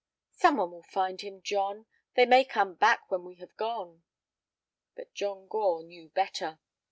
"Some one will find him, John; they may come back when we have gone." But John Gore knew better.